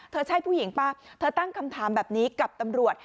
ใช่ผู้หญิงป่ะเธอตั้งคำถามแบบนี้กับตำรวจ